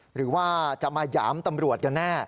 หรือว่าจะมาหยามตำรวจกันแน่